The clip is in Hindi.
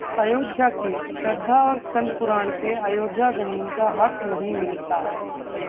अयोध्या केस: ‘श्रद्धा और स्कन्द पुराण से अयोध्या जमीन का हक नहीं मिलता’